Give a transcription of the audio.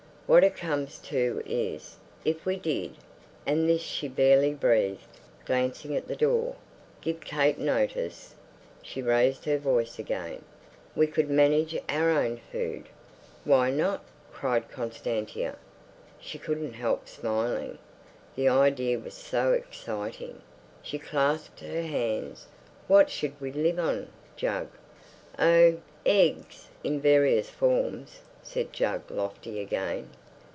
"What it comes to is, if we did"—and this she barely breathed, glancing at the door—"give Kate notice"—she raised her voice again—"we could manage our own food." "Why not?" cried Constantia. She couldn't help smiling. The idea was so exciting. She clasped her hands. "What should we live on, Jug?" "Oh, eggs in various forms!" said Jug, lofty again.